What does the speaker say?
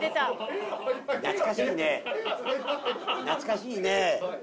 懐かしいね。